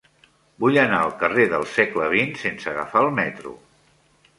Vull anar al carrer del Segle XX sense agafar el metro.